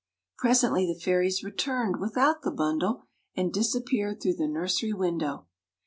Presently the Fairies returned without the bundle and disappeared through the nursery window.